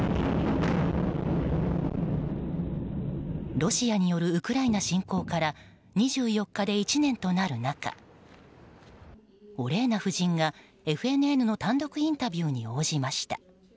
ロシアによるウクライナ侵攻から２４日で１年となる中オレーナ夫人がＦＮＮの単独インタビューに応じました。